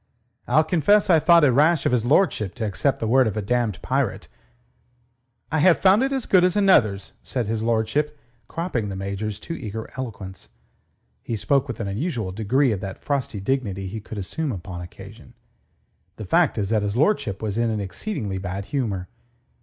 I'll confess I thought it rash of his lordship to accept the word of a damned pirate...." "I have found it as good as another's," said his lordship, cropping the Major's too eager eloquence. He spoke with an unusual degree of that frosty dignity he could assume upon occasion. The fact is that his lordship was in an exceedingly bad humour.